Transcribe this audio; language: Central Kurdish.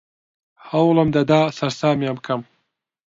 هەوڵم دەدا سەرسامیان بکەم.